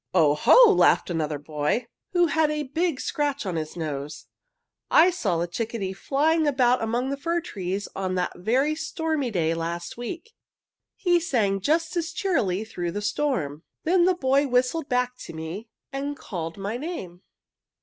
"'Oho!' laughed another boy, who had a big scratch on his nose, 'I saw a chickadee flying about among the fir trees on that very stormy day last week. He sang just as cheerily through the storm.' Then the boy whistled back to me and called my name."